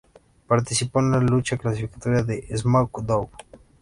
Participó en la lucha clasificatoria del SmackDown!